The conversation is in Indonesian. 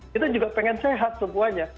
kita juga pengen sehat semuanya